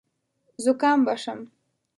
زکام به شم .